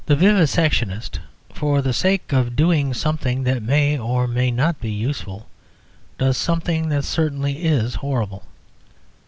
The vivisectionist, for the sake of doing something that may or may not be useful, does something that certainly is horrible.